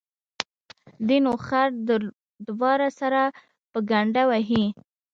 دى نو خر د باره سره په گڼده وهي.